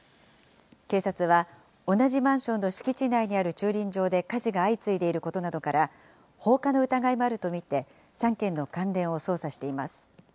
警察は、同じマンションの敷地内にある駐輪場で火事が相次いでいることなどから、放火の疑いもあると見て、３件の関連を捜査しています。